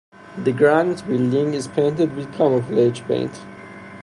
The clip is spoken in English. The granite building is painted with camouflage paint.